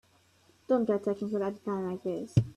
Don't get technical at a time like this.